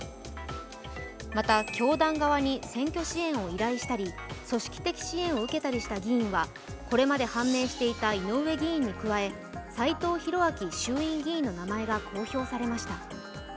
また、教団側に選挙支援を依頼したり組織的支援を受けたりした議員は、これまで判明していた井上議員に加え、斎藤洋明衆院議員の名前が公表されました。